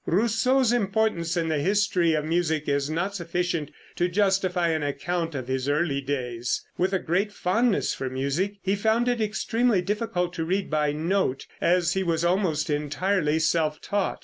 Rousseau's importance in the history of music is not sufficient to justify an account of his early days. With a great fondness for music, he found it extremely difficult to read by note, as he was almost entirely self taught.